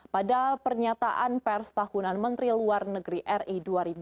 pada pernyataan pers tahunan menteri luar negeri ri dua ribu dua puluh